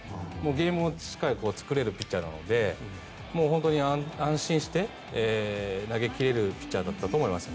ゲームをしっかり作れるピッチャーなので本当に安心して投げ切れるピッチャーだったと思います。